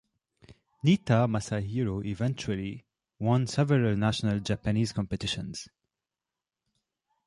Nitta Masahiro eventually won several national Japanese competitions.